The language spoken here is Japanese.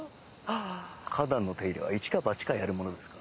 花壇の手入れはイチかバチかやるものですか？